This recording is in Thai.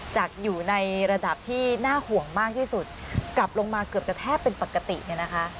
จากอยู่ในระดับที่น่าห่วงมากที่สุดกลับลงมาเกือบจะแทบเป็นปกติเนี่ยนะคะ